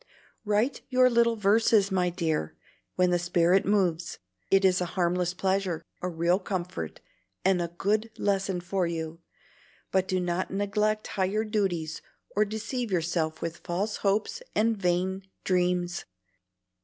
Write your little verses, my dear, when the spirit moves, it is a harmless pleasure, a real comfort, and a good lesson for you; but do not neglect higher duties or deceive yourself with false hopes and vain dreams.